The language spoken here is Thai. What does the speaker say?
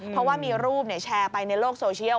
เพราะว่ามีรูปแชร์ไปในโลกโซเชียล